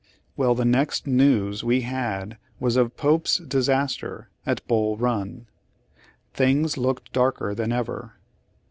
Weil, the next news we had was of Pope's disaster, at Bull Run. Things looked darker than ever.